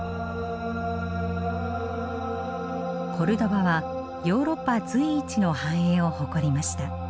コルドバはヨーロッパ随一の繁栄を誇りました。